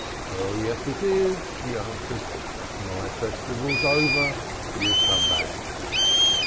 'Oh, yes, it is,' he answered. 'My Festival's over. You've come back.'"